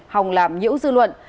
hòng làm nhiễu dư luận